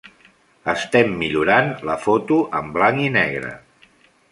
Estem millorant la foto en blanc i negre.